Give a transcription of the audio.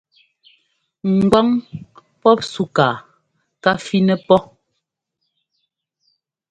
Ŋgwáŋ pɔp súkaa ká fínɛ́ pɔ́.